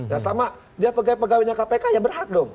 dan selama dia pegawai pegawainya kpk ya berhak dong